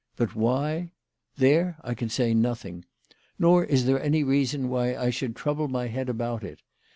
But why ? There I can say nothing. Nor is there reason why I should trouble my head about it.